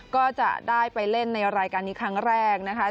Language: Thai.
ก็จะได้ไปเล่นในรายการนี้ครั้งแรกนะคะ